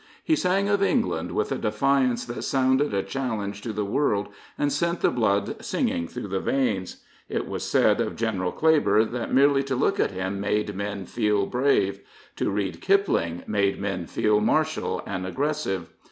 He sang of England with a defiance that sounded a challenge to the world and sent the blood singing through the veins. It was said of General Kleber that merely to look at him made men feel brave. To read Kipling made men feel martial and aggressive.